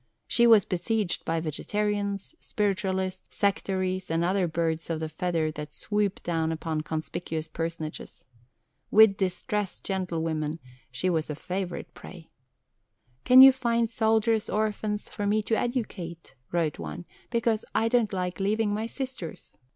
She was besieged by Vegetarians, Spiritualists, Sectaries, and other birds of the feather that swoop down upon conspicuous personages. With distressed gentlewomen she was a favourite prey. "Can you find soldiers' orphans for me to educate," wrote one, "because I don't like leaving my sisters?"